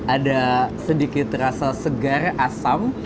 ada sedikit rasa segar asam